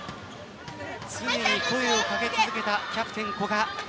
ついに声を掛け続けたキャプテン・古賀。